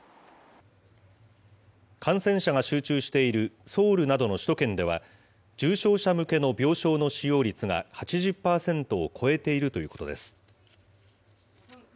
感染者が集中しているソウルなどの首都圏では、重症者向けの病床の使用率が８０％を超えているということです。